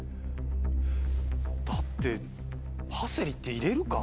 だってパセリって入れるか？